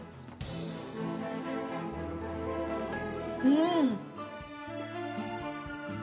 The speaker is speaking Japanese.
うん！